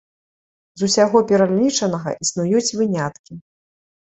З усяго пералічанага існуюць выняткі.